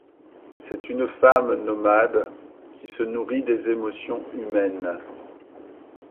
C'est une femme nomade, qui se nourrit des émotions humaines.